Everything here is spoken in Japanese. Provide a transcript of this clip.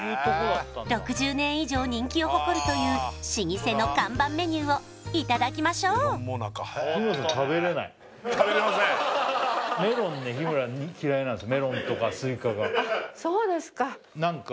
６０年以上人気を誇るという老舗の看板メニューをいただきましょうメロンね日村嫌いなんです